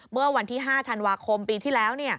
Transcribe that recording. เมื่อวันที่๕ธันวาคมปีที่แล้ว